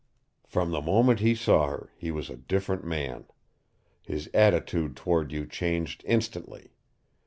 From the moment he saw her, he was a different man. His attitude toward you changed instantly.